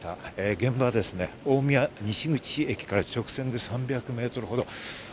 現場は大宮西口駅から直線で３００ｍほど。